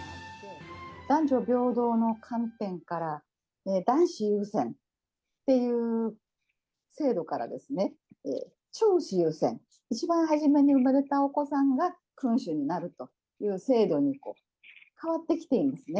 男女平等の観点から、男子優先っていう制度からですね、長子優先、一番初めに生まれたお子さんが君主になるという制度に変わってきていますね。